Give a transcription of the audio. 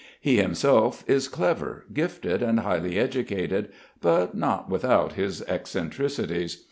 He himself is clever, gifted, and highly educated, but not without his eccentricities.